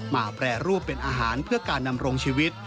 แปรรูปเป็นอาหารเพื่อการดำรงชีวิต